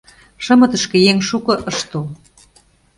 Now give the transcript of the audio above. Шымытышке еҥ шуко ыш тол.